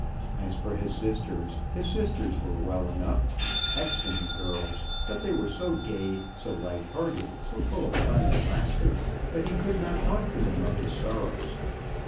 As for his sisters his sisters were well enough excellent girls; but they were so gay, so light hearted, so full of fun and laughter, that he could not talk to them of his sorrows.